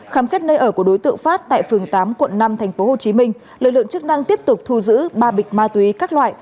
khám xét nơi ở của đối tượng phát tại phường tám quận năm tp hcm lực lượng chức năng tiếp tục thu giữ ba bịch ma túy các loại